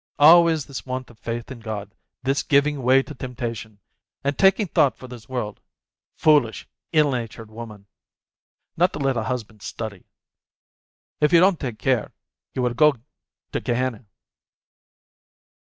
Always this want of faith in God, this giving way to temptation, and taking thought for this world ... foolish, ill natured woman ! Not to let a husband study ! If you don't take care, you will go to Gehenna."